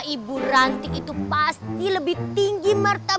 ibu rantik itu pasti lebih tinggi martabatnya